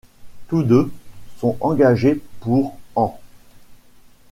Tous deux sont engagés pour an.